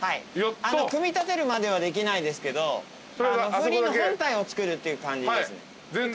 組み立てるまではできないですけど風鈴の本体を作るっていう感じですね。